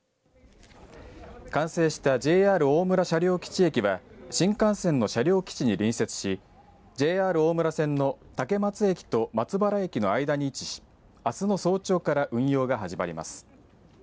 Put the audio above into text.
完成したＪＲ大村車両基地駅は新幹線の車両基地に隣接しＪＲ大村線の竹松駅と松原駅の間に位置しあすの早朝から運用が始まります。